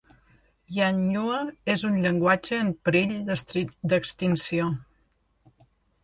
Yanyuwa és un llenguatge en perill d'extinció.